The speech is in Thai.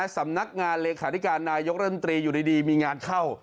สำนักงานเลขาธิการนายกรัฐมนตรีอยู่ดีมีงานเข้า